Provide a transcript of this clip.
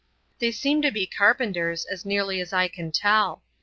They seem to be carpenters, as nearly as I can tell.